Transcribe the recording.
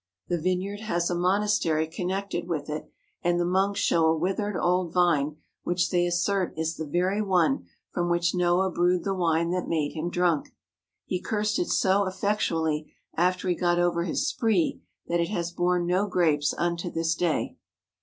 The vineyard has a mon astery connected with it, and the monks show a withered old vine which they assert is the very one from which Noah brewed the wine that made him drunk. He cursed it so effectually after he got over his spree that it has borne no grapes unto this day.